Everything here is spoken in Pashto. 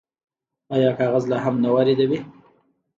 آیا کاغذ لا هم نه واردوي؟